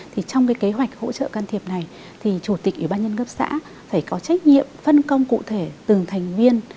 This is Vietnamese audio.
thì trong cái kế hoạch hỗ trợ can thiệp này thì chủ tịch ủy ban nhân cấp xã phải có trách nhiệm phân công cụ thể từng thành viên